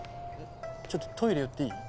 ちょっとトイレ寄っていい？